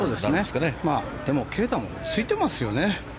でも、啓太もついてますよね。